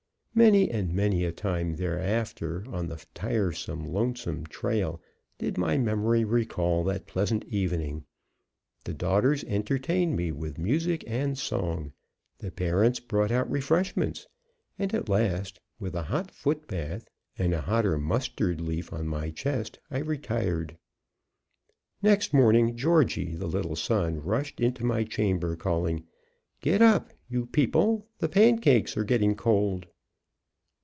Many and many a time thereafter on the tiresome, lonesome trail did my memory recall that pleasant evening. The daughters entertained me with music and song, the parents brought out refreshments, and, at last, with a hot foot bath, and a hotter mustard leaf on my chest, I retired. Next morning, Georgie, the little son, rushed into my chamber calling, "Get up, you people, the pancakes are getting cold!"